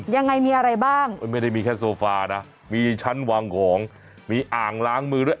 ยังไงมีอะไรบ้างไม่ได้มีแค่โซฟานะมีชั้นวางของมีอ่างล้างมือด้วย